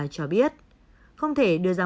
cho biết không thể đưa ra